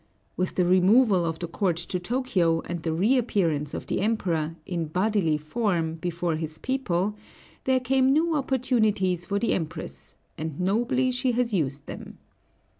With the removal of the court to Tōkyō, and the reappearance of the Emperor, in bodily form, before his people, there came new opportunities for the Empress, and nobly has she used them.